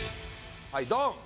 はいドン！